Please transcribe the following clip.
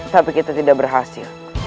tapi kita tidak berhasil